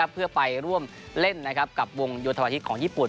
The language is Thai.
เพื่อไปร่วมเล่นกับวงโยธวาทิศของญี่ปุ่น